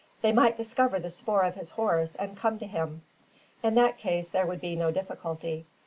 They might discover the spoor of his horse, and come to him. In that case there would be no difficulty.